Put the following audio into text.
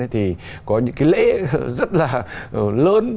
thì có những cái lễ rất là lớn